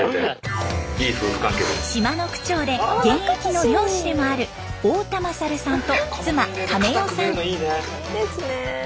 島の区長で現役の漁師でもある大田勝さんと妻カメ代さん。